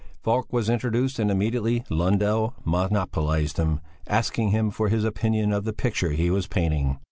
Falk was introduced and immediately Lundell monopolized him, asking him for his opinion of the picture he was painting.